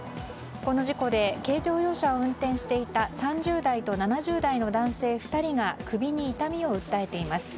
この事故で軽乗用車を運転していた３０代と７０代の男性２人が首に痛みを訴えています。